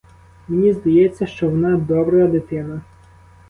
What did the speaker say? Мені здається, що вона добра дитина.